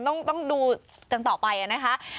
ต้องดูกันต่อไปนะคะ